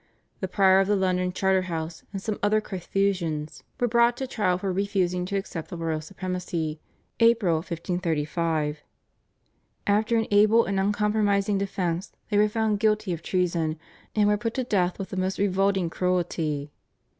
The Prior of the London Charterhouse and some other Carthusians were brought to trial for refusing to accept the royal supremacy (April, 1535). After an able and uncompromising defence they were found guilty of treason and were put to death with the most revolting cruelty.